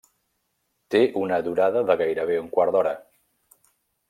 Té una durada de gairebé un quart d'hora.